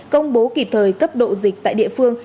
công bố kịp thời cấp độ dịch tại địa phương